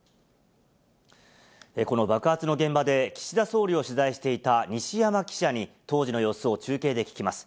この爆発の現場で、岸田総理を取材していた西山記者に、当時の様子を中継で聞きます。